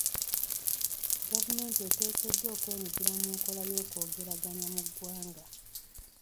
Gavumenti eteekeddwa okwenyigira mu nkola y'okwogeraaganya mu ggwanga.